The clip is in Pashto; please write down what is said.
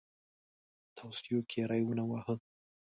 توصیو کې ری ونه واهه.